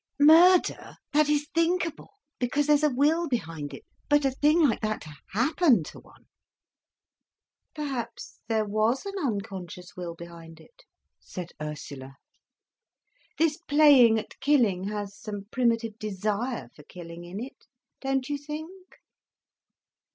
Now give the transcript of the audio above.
Murder, that is thinkable, because there's a will behind it. But a thing like that to happen to one—" "Perhaps there was an unconscious will behind it," said Ursula. "This playing at killing has some primitive desire for killing in it, don't you think?"